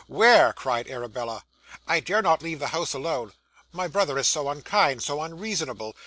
where?' cried Arabella. 'I dare not leave the house alone. My brother is so unkind, so unreasonable!